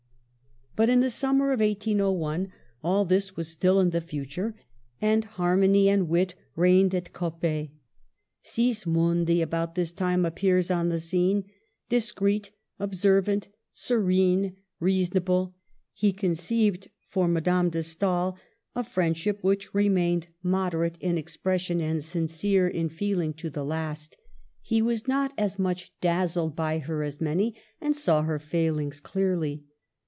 But in the summer of 1801 all this was still in the future, and harmony and wit reigned at Cop pet. Sismondi about this time appears on the scene; discreet, observant, serene, reasonable, he conceived for Madame de Stael a friendship which remained moderate in expression and sin y Google NEW FACES AT COPPET. 119 cere in feeling to the last. He was not as much dazzled by her as many, and saw her failings clearly.